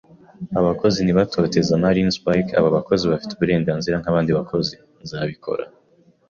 abakozi ntibatoteza marlin-spike; aba bakozi bafite uburenganzira nkabandi bakozi, nzabikora